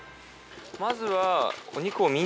まずは。